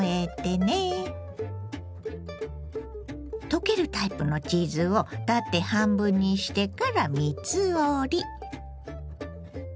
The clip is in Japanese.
溶けるタイプのチーズを縦半分にしてから３つ折り。